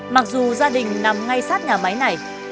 mặc dù gia đình nằm ngay sát nhà máy này